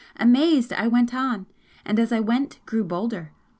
Amazed, I went on and as I went grew bolder.